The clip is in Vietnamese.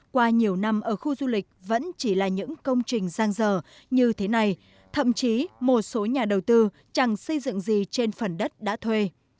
qua nhiều năm ở khu du lịch vẫn chỉ là những công trình giang dở như thế này thậm chí một số nhà đầu tư chẳng xây dựng gì trên phần đất đã thuê